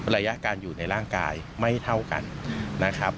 ระยะการอยู่ในร่างกายไม่เท่ากันนะครับ